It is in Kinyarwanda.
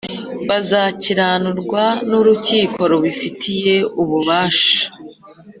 Bazakiranurwa n ‘urukiko rubifitiye ububasha.